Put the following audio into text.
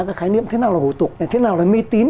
cái khái niệm thế nào là hổ tục thế nào là mỹ tín